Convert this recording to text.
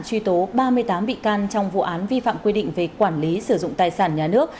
truy tố ba mươi tám bị can trong vụ án vi phạm quy định về quản lý sử dụng tài sản nhà nước